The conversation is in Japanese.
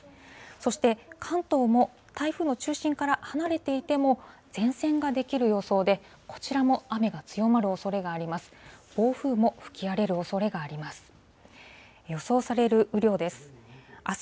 そして、関東も台風の中心から離れていても、前線が出来る予想で、こちらも雨が強まるおそれがあります。